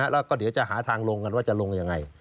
แล้วก็เดี๋ยวจะหาทางลงกันว่าจะลงยังไง